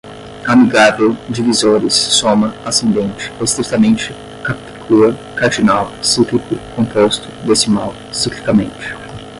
amigável, divisores, soma, ascendente, estritamente, capicua, cardinal, cíclico, composto, decimal, ciclicamente